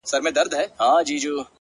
څڼي سرې شونډي تكي تـوري سترگي’